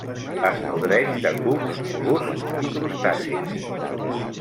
Es nodreix de cucs, mol·luscs i crustacis.